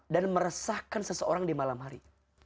dan meresahkan seseorang di malam hari